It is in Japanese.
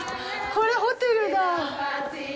これホテルだ。